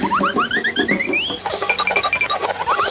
กินไปแล้วเท่ากันด้วย